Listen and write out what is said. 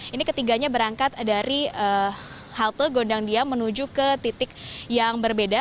ini ketiganya berangkat dari halte gondangdia menuju ke titik yang berbeda